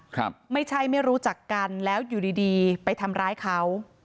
ครับไม่ใช่ไม่รู้จักกันแล้วอยู่ดีดีไปทำร้ายเขา